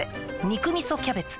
「肉みそキャベツ」